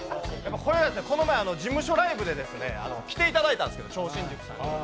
この前事務所ライブで来ていただいたんですけど超新塾さんに。